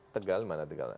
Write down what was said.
tegal dimana tegal